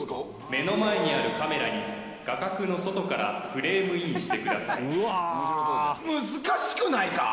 目の前にあるカメラに画角の外からフレームインしてください難しくないか？